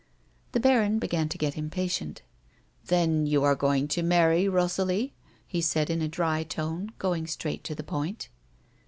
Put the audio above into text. The baron began to get impatient. " Then you are going to marry Rosalie? " he said in a dry tone, going straight to the point.